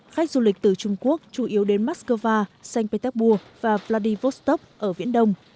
khách du lịch từ trung quốc chủ yếu đến moscow saint petersburg và vladivostok ở viễn đông